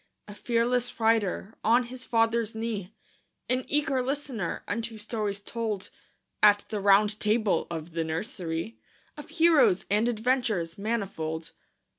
A fearless rider on his father's knee, An eager listener unto stories told At the Round Table of the nursery, Of heroes and adventures manifold.